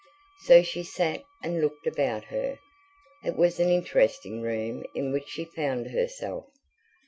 So she sat and looked about her. It was an interesting room in which she found herself.